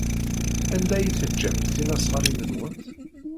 Anda ay teǧǧamt tisnasɣalin-nwent?